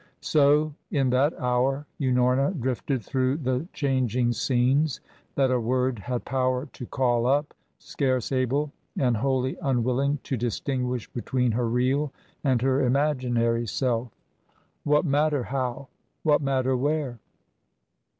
So, in that hour, Unorna drifted through the changing scenes that a word had power to call up, scarce able, and wholly unwilling, to distinguish between her real and her imaginary self. What matter how? What matter where?